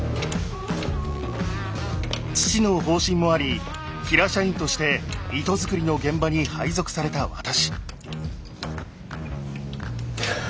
父の方針もあり平社員として糸づくりの現場に配属された私。